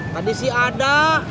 tadi sih ada